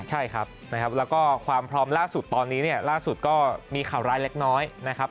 ใช่ครับนะครับแล้วก็ความพร้อมล่าสุดตอนนี้เนี่ยล่าสุดก็มีข่าวร้ายเล็กน้อยนะครับ